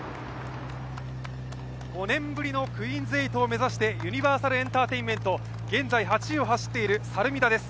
５年ぶりのクイーンズ８を目指してユニバーサルエンターテインメント、現在８位を走っている猿見田です。